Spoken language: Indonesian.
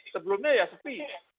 sebelumnya ya sepi